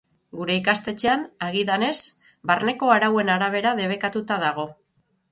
Gure ikastetxean, agidanez, barneko arauen arabera debekatuta dago.